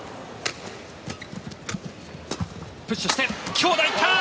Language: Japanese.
強打、いった！